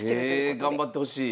え頑張ってほしい。